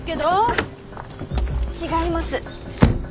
違います。